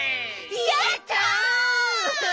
やった！